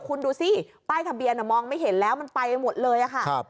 คุณดูสิป้ายทะเบียนมองไม่เห็นแล้วมันไปหมดเลยค่ะ